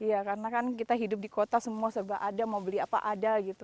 iya karena kan kita hidup di kota semua serba ada mau beli apa ada gitu